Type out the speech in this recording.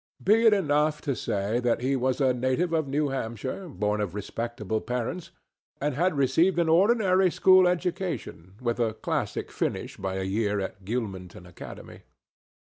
Be it enough to say that he was a native of New Hampshire, born of respectable parents, and had received an ordinary school education with a classic finish by a year at Gilmanton Academy.